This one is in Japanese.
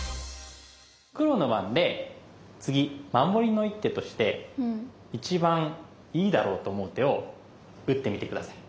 黒の番で次守りの一手として一番いいだろうと思う手を打ってみて下さい。